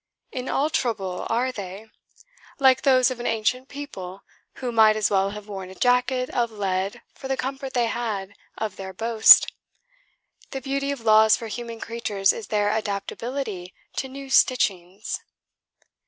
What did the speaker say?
"Inalterable, are they? like those of an ancient people, who might as well have worn a jacket of lead for the comfort they had of their boast. The beauty of laws for human creatures is their adaptability to new stitchings."